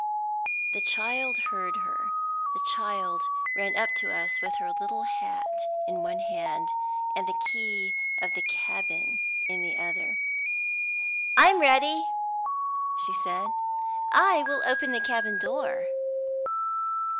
The child heard her. The child ran up to us with her little hat in one hand, and the key of the cabin in the other. "I'm ready," she said. "I will open the cabin door."